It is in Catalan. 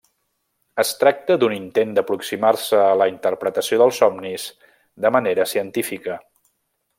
Es tracta d'un intent d'aproximar-se a la interpretació dels somnis de manera científica.